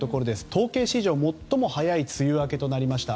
統計史上最も早い梅雨明けとなりました。